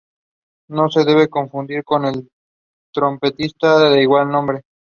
No debe confundirse con el trompetista de igual nombre.